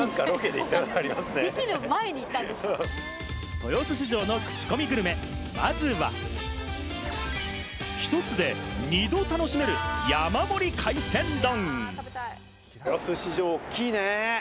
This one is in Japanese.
豊洲市場のクチコミグルメ、まずは、一つで２度楽しめる山盛り海鮮丼。